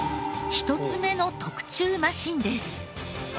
１つ目の特注マシーンです。